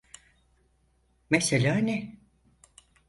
Mesela ne?